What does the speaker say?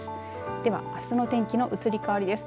ではあすの天気の移り変わりです。